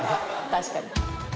確かに。